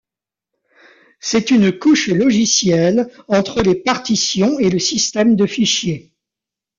C'est une couche logicielle entre les partitions et le système de fichier.